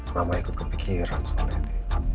mama ikut kepikiran soalnya ini